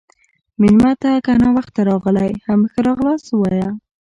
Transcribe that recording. مېلمه ته که ناوخته راغلی، هم ښه راغلاست ووایه.